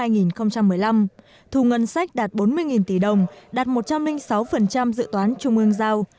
năm hai nghìn một mươi năm thu ngân sách đạt bốn mươi tỷ đồng đạt một trăm linh sáu dự toán trung ương giao